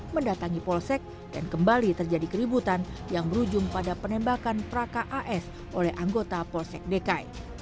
mendatangi polsek dan kembali terjadi keributan yang berujung pada penembakan praka as oleh anggota polsek dekai